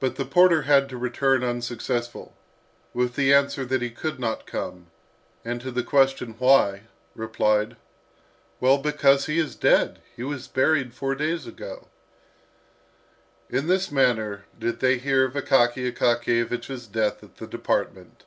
But the porter had to return unsuccessful, with the answer that he could not come; and to the question, "Why?" replied, "Well, because he is dead! he was buried four days ago." In this manner did they hear of Akaky Akakiyevich's death at the department.